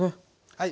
はい。